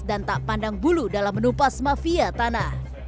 dan tak pandang bulu dalam menupas mafia tanah